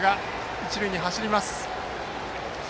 一塁に走ります。